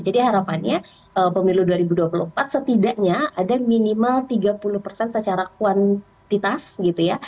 jadi harapannya pemilu dua ribu dua puluh empat setidaknya ada minimal tiga puluh persen secara kuantitas gitu ya